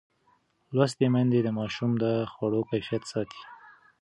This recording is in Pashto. لوستې میندې د ماشوم د خوړو کیفیت ساتي.